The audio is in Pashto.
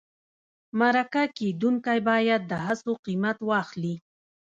مرکه کېدونکی باید د هڅو قیمت واخلي.